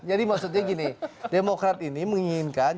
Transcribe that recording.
jadi maksudnya gini demokrat ini menginginkan